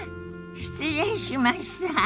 失礼しました。